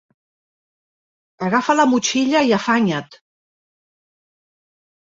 Agafa la motxilla i afanya't!